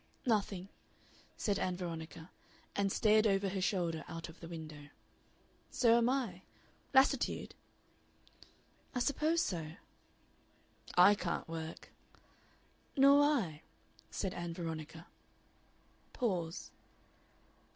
"Nothing," said Ann Veronica, and stared over her shoulder out of the window. "So am I.... Lassitude?" "I suppose so." "I can't work." "Nor I," said Ann Veronica. Pause.